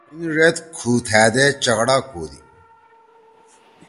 ہیِن ڙید کُھو تھأدے چغڑا کودی۔